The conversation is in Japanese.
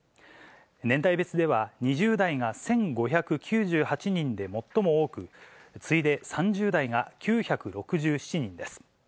年代別では、２０代が１５９８人で最も多く、次いで３０代が９６７人です。